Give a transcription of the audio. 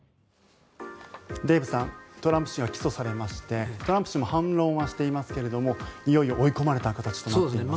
デーブさんトランプ氏が起訴されましてトランプ氏も反論はしていますがいよいよ追い込まれた形となります。